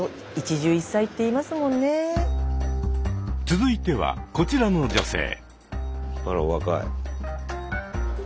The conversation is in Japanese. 続いてはこちらの女性。